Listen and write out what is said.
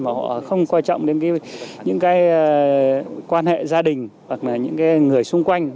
mà họ không quan trọng đến những cái quan hệ gia đình hoặc là những cái người xung quanh